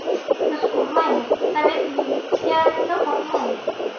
— Biz urmaymiz! Sovet militsiyasi urmaydi!